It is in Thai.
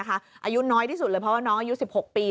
อายุน้อยที่สุดเลยเพราะว่าน้องอายุ๑๖ปี